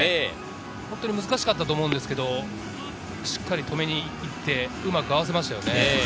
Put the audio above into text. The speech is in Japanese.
難しかったと思うんですけれど、しっかり止めに行ってうまく合わせましたよね。